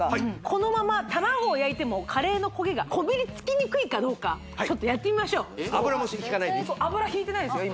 このまま卵を焼いてもカレーの焦げがこびりつきにくいかどうかちょっとやってみましょう油ひいてないですよ